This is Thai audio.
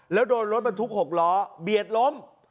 แล้วโดนรถบรรทุก๖ล้อเบียดล้ม